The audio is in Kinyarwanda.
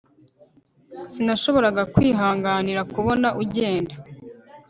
Sinashoboraga kwihanganira kubona ugenda